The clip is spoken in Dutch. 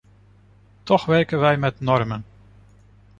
Toch werken wij met normen.